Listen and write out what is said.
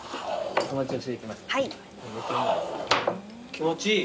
気持ちいい。